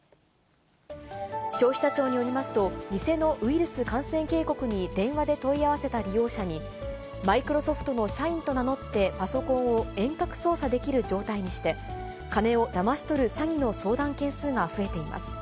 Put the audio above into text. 消費者庁によりますと、偽のウイルス感染警告に電話で問い合わせた利用者に、マイクロソフトの社員と名乗って、パソコンを遠隔操作できる状態にして、金をだまし取る詐欺の相談件数が増えています。